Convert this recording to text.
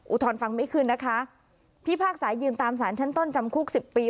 อุทธรณ์ฟังไม่ขึ้นนะคะพิพากษายืนตามสารชั้นต้นจำคุกสิบปี